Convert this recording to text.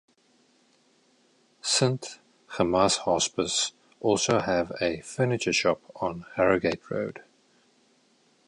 Saint Gemmas Hospice also have a furniture shop on Harrogate Road.